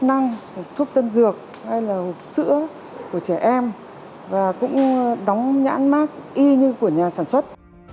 đóng hàng vào trong những hộp thực phẩm chức năng thuốc tân dược hay là hộp sữa của trẻ em và cũng đóng nhãn mác y như của nhà sản xuất